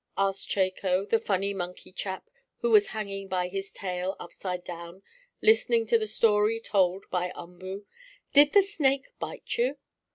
asked Chako, the funny monkey chap, who was hanging by his tail, upside down, listening to the story told by Umboo. "Did the snake bite you?"